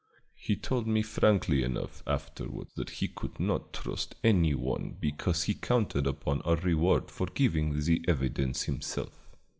He told me frankly enough afterward that he could not trust any one because he counted upon a reward for giving the evidence himself.